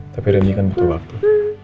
tapi reni kan butuh waktu